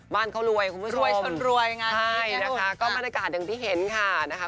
มั่นเขารวยคุณผู้ชมใช่นะคะก็บรรยากาศอย่างที่เห็นค่ะ